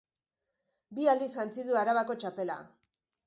Bi aldiz jantzi du Arabako txapela.